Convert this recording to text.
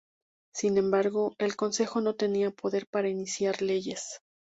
Sin embargo, el consejo no tenía poder para iniciar leyes.